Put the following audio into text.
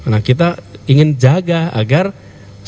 nah kita ingin jaga agar